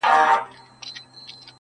نور باید ټول د واحد ملت کېدو هڅه وکړو